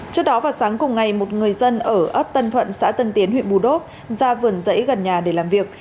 trước đó vào sáng cùng ngày một người dân ở ấp tân thuận xã tân tiến huyện bù đốt ra vườn rẫy gần nhà để làm việc